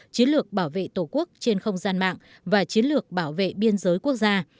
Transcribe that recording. chiến lược bảo vệ tổ quốc trên không gian mạng và chiến lược bảo vệ biên giới quốc gia